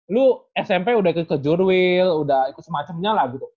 lu smp udah ikut ke jurweil udah ikut semacamnya lah gitu